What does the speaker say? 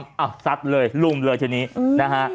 อ้าวสัดเลยลุ่มเลยทีนี้นะคะ